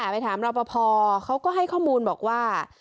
ไปถามรอปภเขาก็ให้ข้อมูลบอกว่า